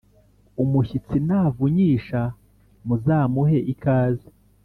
Umushyitsi navunyisha muzamuhe ikaze